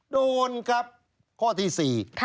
โดนครับข้อที่๔